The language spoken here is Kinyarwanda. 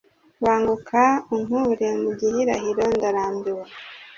banguka unkure mugihirahiro ndarambiwe